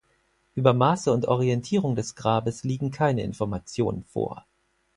Über Maße und Orientierung des Grabes liegen keine Informationen vor.